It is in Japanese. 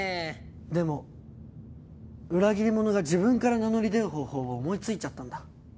でも裏切り者が自分から名乗り出る方法を思いついちゃったんだ。